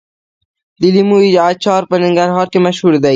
د لیمو اچار په ننګرهار کې مشهور دی.